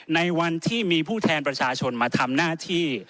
ในวันที่มีผู้แทนประชาชนมาทำหน้าที่